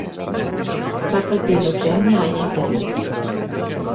Va patir leucèmia l'any anterior.